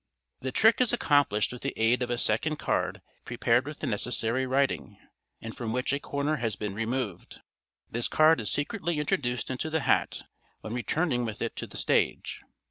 The trick is accomplished with the aid of a second card prepared with the necessary writing, and from which a corner has been removed. This card is secretly introduced into the hat when returning with it to the stage.